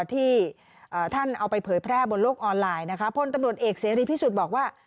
ที่ท่านเอาไปเผยแพร่บนโลกออนไลน์นะคะพลตำรวจเอกเสรีพิสุทธิ์บอกว่า